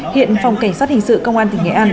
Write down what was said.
hiện phòng cảnh sát hình sự công an tỉnh nghệ an